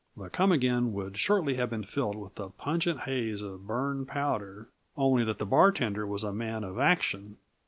The Come Again would shortly have been filled with the pungent haze of burned powder, only that the bartender was a man of action.